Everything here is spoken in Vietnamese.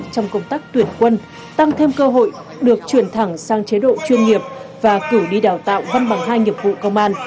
trong công tác tuyển quân tăng thêm cơ hội được chuyển thẳng sang chế độ chuyên nghiệp và cử đi đào tạo văn bằng hai nghiệp vụ công an